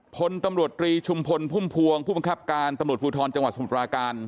ผลตำรวจกรีชุมพลผู้โมงผวงผู้ประคับการตำรวจภูตรทรจสมุทรปราการ